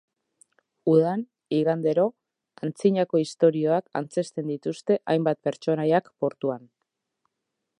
Udan, igandero, antzinako istorioak antzezten dituzte hainbat pertsonaiak portuan.